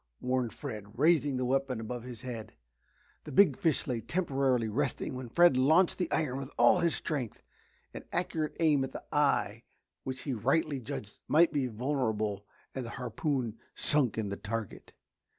warned Fred, raising the weapon above his head. The big fish lay temporarily resting when Fred launched the iron with all his strength. An accurate aim at the eye which he rightly judged might be vulnerable and the harpoon sunk in the target.